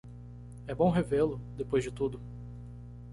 É bom revê-lo, depois de tudo